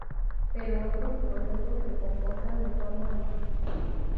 Pero otros procesos se comportan de forma distinta.